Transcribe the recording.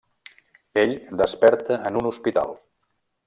Ell desperta en un hospital.